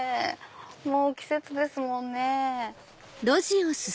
もう季節ですもんね。